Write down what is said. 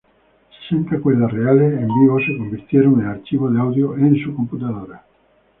Sesenta cuerdas reales, en vivo, se convirtieron en archivos de audio en su computadora.